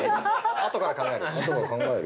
あとから考える？